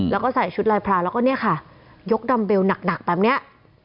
แล้วก็ใส่ชุดลายพราวแล้วก็เนี่ยค่ะยกดัมเบลหนักแบบเนี้ย